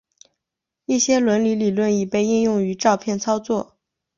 一些伦理理论已被应用于照片操作。